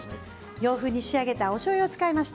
洋風に仕上げたしょうゆを使いました。